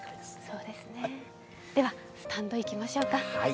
では、スタンバイ、いきましょうか。